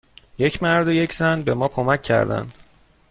یک مرد و یک زن به ما کمک کردند.